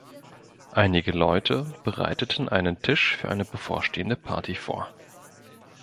Einige Leute bereiten einen Tisch für eine bevorstehende Party vor.